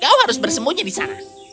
kau harus bersembunyi di sana